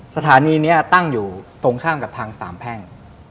สถานีนี้ตั้งอยู่ตรงข้ามกับทางสามแพ่ง